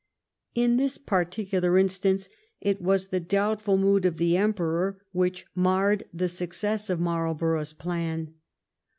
In this particular instance it was the doubtful mood of the Emperor which marred the success of Marl borough's plan.